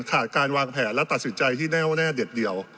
ขาดการวางแผนและตัดสินใจที่แน่วแน่เด็ดเดียว